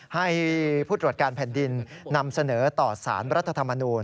ให้ผู้ตรวจการแผ่นดินนำเสนอต่อสารรัฐธรรมนูญ